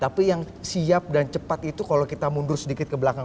tapi yang siap dan cepat itu kalau kita mundur sedikit ke belakang